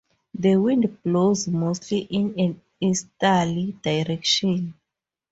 The wind blows mostly in an easterly direction.